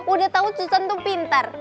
udah tau susan tuh pinter